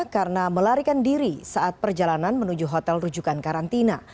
karena melarikan diri saat perjalanan menuju hotel rujukan karantina